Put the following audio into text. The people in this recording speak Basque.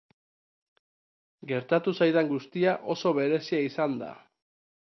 Gertatu zaidan guztia oso berezia izan da.